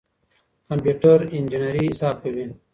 کمپيوټر انجنيري حساب کوي.